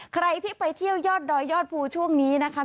ใครที่ไปเที่ยวยอดดอยยอดภูช่วงนี้นะคะ